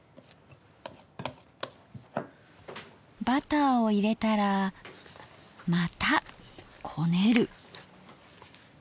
バターを入れたらまたこねる！